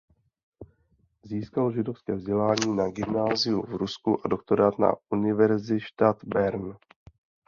Získal židovské vzdělání na gymnáziu v Rusku a doktorát na Universität Bern.